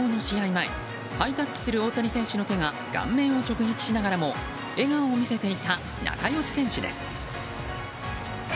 前ハイタッチする大谷選手の手が顔面を直撃しながらも笑顔を見せていた仲良し選手です。